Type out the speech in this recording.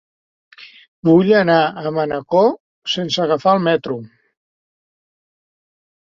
Vull anar a Manacor sense agafar el metro.